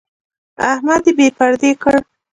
احمد يې بې پردې کړ.